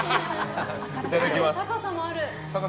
いただきます。